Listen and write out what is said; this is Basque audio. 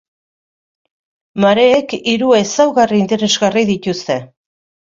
Mareek hiru ezaugarri interesgarri dituzte.